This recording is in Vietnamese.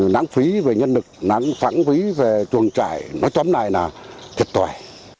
nắng phí về nhân lực nắng phản phí về chuồng trại nói chấm này là thiệt tòi